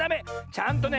ちゃんとね